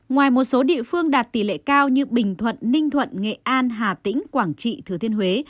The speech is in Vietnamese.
ngoài một số địa phương đạt tỷ lệ cao như bình thuận ninh thuận nghệ an hà tĩnh quảng trị thứ thiên huế